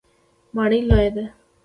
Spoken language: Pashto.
ماڼۍ لویه ده.